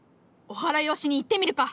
おはらいをしに行ってみるか！